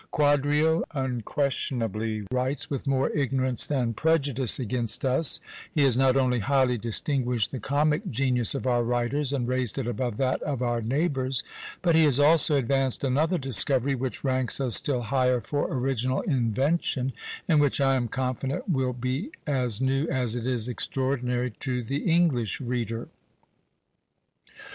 Quadrio unquestionably writes with more ignorance than prejudice against us: he has not only highly distinguished the comic genius of our writers, and raised it above that of our neighbours, but he has also advanced another discovery, which ranks us still higher for original invention, and which, I am confident, will be as new as it is extraordinary to the English reader.